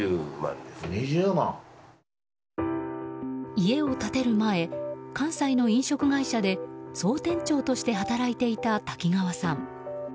家を建てる前関西の飲食会社で総店長として働いていた滝川さん。